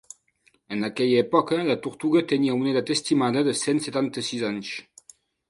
En aquella època la tortuga tenia una edat estimada de cent setanta-sis anys.